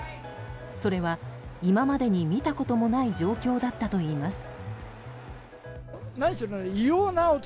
それは今までに見たこともない状況だったといいます。